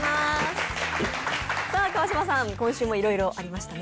川島さん、今週もいろいろありましたね。